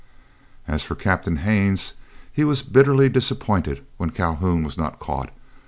As for Captain Haines, he was bitterly disappointed when Calhoun was not caught.